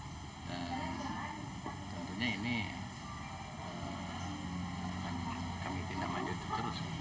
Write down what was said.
dan tentunya ini kami tidak maju terus